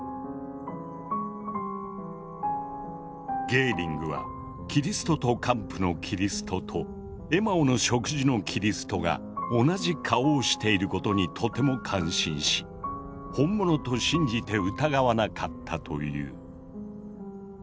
ゲーリングは「キリストと姦婦」のキリストと「エマオの食事」のキリストが同じ顔をしていることにとても感心し本物と信じて疑わなかったという。